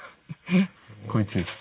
こいつです。